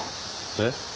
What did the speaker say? えっ？